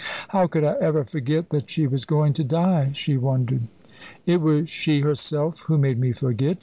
"How could I ever forget that she was going to die?" she wondered. "It was she herself who made me forget.